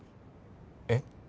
えっ？